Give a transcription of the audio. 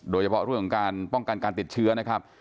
โดยเฉพาะเรื่องของการป้องกันการติดเชื้อนะครับ